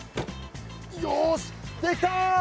よしできた！